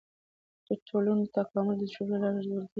د ټولنو تکامل د تجربو له لارې ارزول کیږي.